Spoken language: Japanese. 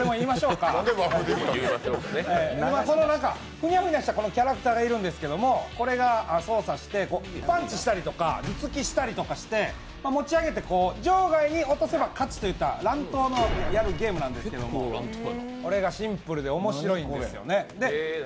ふにゃふにゃしたキャラクターがいるんですけれどこれが操作してパンチしたりとか頭突きしたりとかして持ち上げて場外に落とせば勝ちといった乱闘ゲームなんですがこれがシンプルで面白いんですよね。